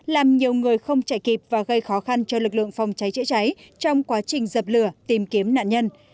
làm nhiều người không chạy kịp và gây khó khăn cho lực lượng phòng cháy chữa cháy trong quá trình dập lửa tìm kiếm nạn nhân